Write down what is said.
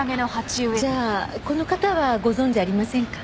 じゃあこの方はご存じありませんか？